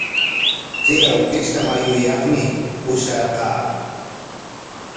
Chay awkishta mayuyaqmi pusharqaa.